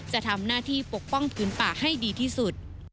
จะทำหน้าที่ปกป้องพื้นป่าให้ดีที่สุด